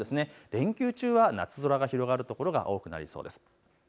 連休中は夏空が広がる所が多くなりそうです。